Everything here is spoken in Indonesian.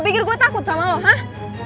lo pikir gue takut sama lo hah